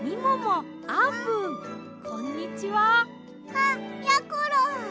あっやころ。